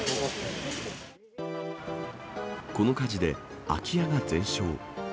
この火事で、空き家が全焼。